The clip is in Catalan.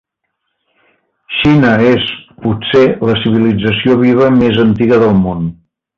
Xina és, potser, la civilització viva més antiga del món.